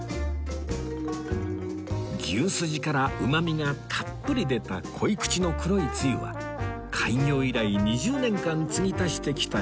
牛すじからうまみがたっぷり出た濃い口の黒いつゆは開業以来２０年間継ぎ足してきた秘伝の味